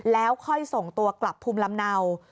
แล้วค่อยส่งตัวกลับภูมิลำเนา